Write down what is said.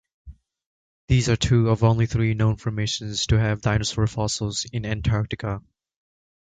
These are two of only three known formations to have dinosaur fossils in Antarctica.